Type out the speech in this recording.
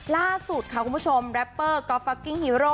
ล่าสุดค่ะคุณผู้ชมแรปเปอร์ก๊อฟฟักกิ้งฮีโร่